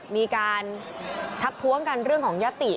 มีการทักท้วงกันเรื่องของยติ